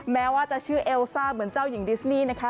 แม้ว่าจะชื่อเอลซ่าเหมือนเจ้าหญิงดิสนี่นะคะ